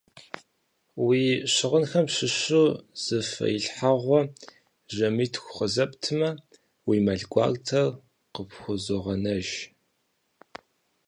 Уи щыгъынхэм щыщу зы фэилъхьэгъуэ, жэмитху къызэптмэ, уи мэл гуартэр къыпхузогъэнэж.